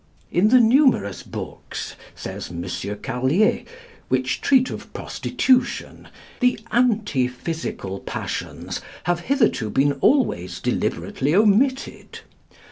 "In the numerous books," says M. Carlier, "which treat of prostitution, the antiphysical passions have hitherto been always deliberately omitted.